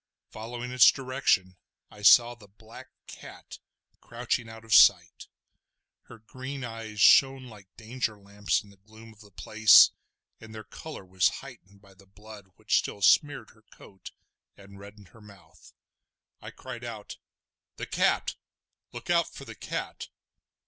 Following its direction I saw the black cat crouching out of sight. Her green eyes shone like danger lamps in the gloom of the place, and their colour was heightened by the blood which still smeared her coat and reddened her mouth. I cried out: "The cat! look out for the cat!"